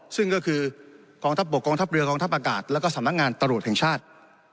ซึ่งก็คือกองทัพบกกองทัพเรือกองทัพอากาศแล้วก็สำนักงานตำรวจแห่งชาติ